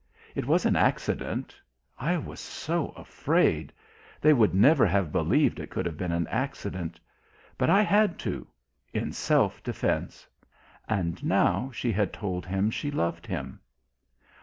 It was an accident. I was so afraid. They would never have believed it could be an accident. But I had to, in self defence." And now she had told him she loved him.